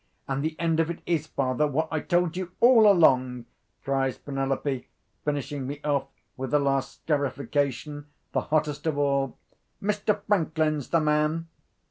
And the end of it is, father, what I told you all along," cries Penelope, finishing me off with a last scarification, the hottest of all. "Mr. Franklin's the man!"